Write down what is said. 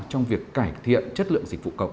trong việc cải thiện chất lượng dịch vụ công